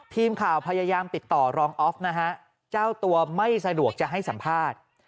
ทีมข่าวพยายามติดต่อรองออฟนะฮะเจ้าตัวไม่สะดวกจะให้สัมภาษณ์